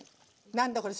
何だこれ。